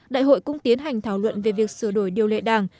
đại hội cũng tiến hành thảo luận về việc sửa đổi điều lệ đảng